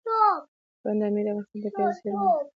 بند امیر د افغانستان د طبیعت زړه دی.